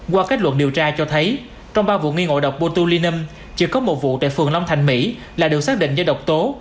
qua kết luận điều tra cho thấy trong ba vụ nghi ngộ độc botulinum chỉ có một vụ tại phường long thành mỹ là được xác định do độc tố